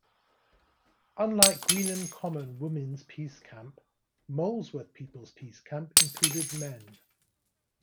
Unlike Greenham Common Women's Peace Camp, Molesworth People's Peace Camp included men.